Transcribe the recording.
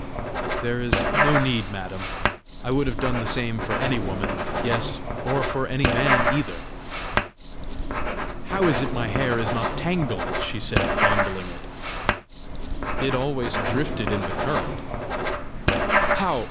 "There is no need, madam: I would have done the same for any woman yes, or for any man either!" "How is it my hair is not tangled?" she said, fondling it. "It always drifted in the current." "How?